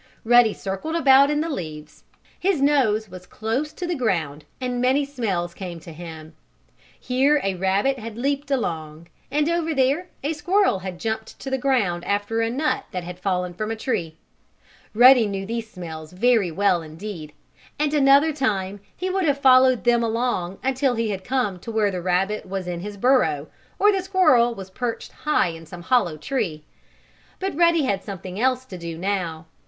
Ruddy circled about in the leaves. His nose was close to the ground, and many smells came to him. Here a rabbit had leaped along, and over there a squirrel had jumped to the ground after a nut that had fallen from a tree. Ruddy knew these smells very well indeed, and another time he would have followed them along until he had come to where the rabbit was in his burrow, or the squirrel was perched high in some hollow tree. But Ruddy had something else to do now.